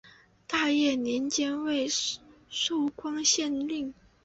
大业年间为寿光县令。